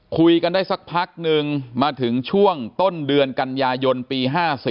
คุยกันได้สักพักนึงมาถึงช่วงต้นเดือนกันยายนปี๕๔